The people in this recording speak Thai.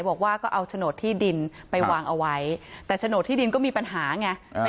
บอกว่าก็เอาโฉนดที่ดินไปวางเอาไว้แต่โฉนดที่ดินก็มีปัญหาไง